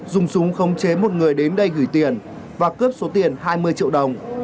dùng súng khống chế một người đến đây gửi tiền và cướp số tiền hai mươi triệu đồng